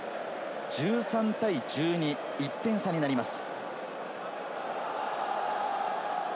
１３対１２、１点差になります。